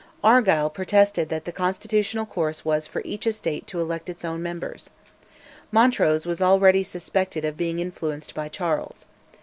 Argyll protested that the constitutional course was for each Estate to elect its own members. Montrose was already suspected of being influenced by Charles.